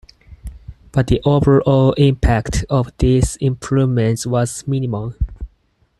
But the overall impact of these improvements was minimal.